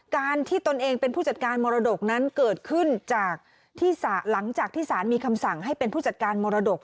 การที่ตนเองเป็นผู้จัดการมรดกนั้นเกิดขึ้นจากที่หลังจากที่สารมีคำสั่งให้เป็นผู้จัดการมรดก